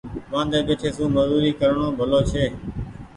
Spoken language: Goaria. وآندي ٻيٺي سون مزوري ڪرڻو ڀلو ڇي۔